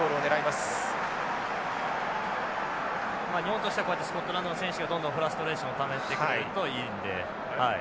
まあ日本としてはこうやってスコットランドの選手がどんどんフラストレーションをためてくれるといいので。